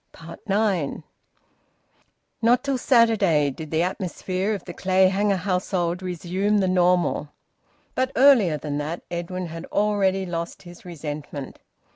NINE. Not till Saturday did the atmosphere of the Clayhanger household resume the normal. But earlier than that Edwin had already lost his resentment.